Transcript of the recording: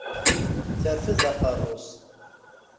Terfed aqerru-s.